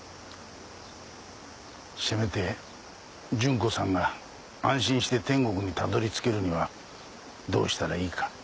せめて純子さんが安心して天国にたどり着けるにはどうしたらいいか。